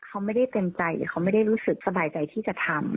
เขาไม่ได้เต็มใจเขาไม่ได้รู้สึกสบายใจที่จะทำ